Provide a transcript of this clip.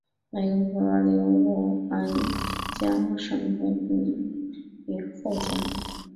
湄公河流入安江省后分前江与后江。